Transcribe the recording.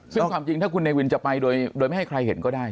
ซึ่งความจริงถ้าคุณเนวินจะไปโดยไม่ให้ใครเห็นก็ได้